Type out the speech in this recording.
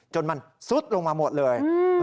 จนมันซุดลงมาหมดเลย